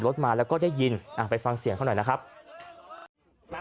รถมาแล้วก็ได้ยินไปฟังเสียงเขาหน่อยนะครับ